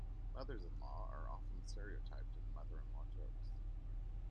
Mothers-in-law are often stereotyped in mother-in-law jokes.